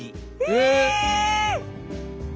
え！